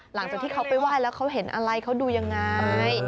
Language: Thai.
หลังจากที่เขาไปไหว้แล้วเขาเห็นอะไรเขาดูยังไง